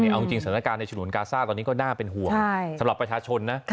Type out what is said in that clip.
เอาจริงสถานการณ์ในฉนวนกาซ่าตอนนี้ก็น่าเป็นห่วงสำหรับประชาชนนะ